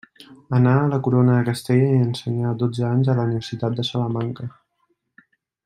Anà a la Corona de Castella i ensenyà dotze anys a la Universitat de Salamanca.